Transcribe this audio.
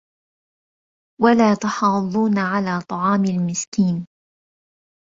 وَلا تَحاضّونَ عَلى طَعامِ المِسكينِ